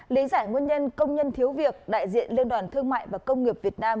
lý giải nguyên nhân công nhân thiếu việc đại diện liên đoàn thương mại và công nghiệp việt nam